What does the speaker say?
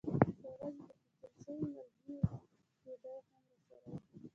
په کاغذ کې د پېچل شوې مالګینې ډوډۍ هم راسره وه.